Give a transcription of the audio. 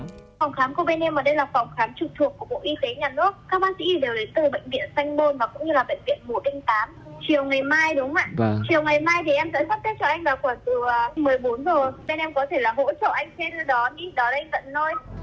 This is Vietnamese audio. phòng khám của bên em ở đây là phòng khám trục thuộc của bộ y tế nhà nước